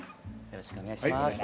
よろしくお願いします。